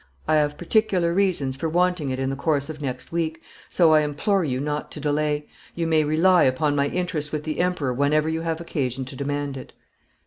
I have particular reasons for wanting it in the course of next week, so I implore you not to delay. You may rely upon my interest with the Emperor whenever you have occasion to demand it."'